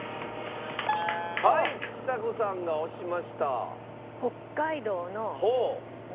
はいちさ子さんが押しました。